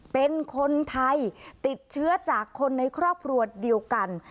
เป็นคนไทยติดเชื้อจากคนในครอบครัวเดียวกัน